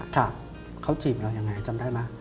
ค่ะเขาจีบเราอย่างไรจำได้ไหม